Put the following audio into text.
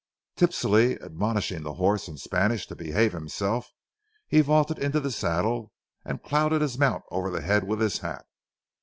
Tipsily admonishing the horse in Spanish to behave himself, he vaulted into the saddle and clouted his mount over the head with his hat.